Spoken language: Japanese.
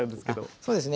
そうですね